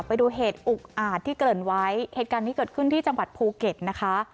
ไปดูเหตุอุกอาจที่เกริ่นไว้เหตุการณ์นี้เกิดขึ้นที่จังหวัดภูเก็ตนะคะ